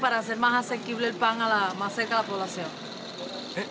えっ？